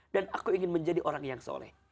dan aku ingin menjadi orang yang soleh